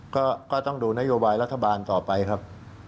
ก็ต้องดูนโยบายรัฐบาลต่อไปครับ